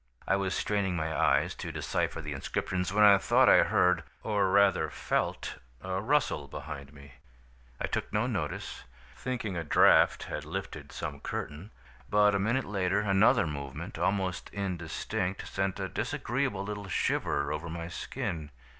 "I was straining my eyes to decipher the inscriptions, when I thought I heard, or rather felt a rustle behind me. I took no notice, thinking a draft had lifted some curtain. But a minute later, another movement, almost indistinct, sent a disagreeable little shiver over my skin.